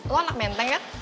lo anak menteng kan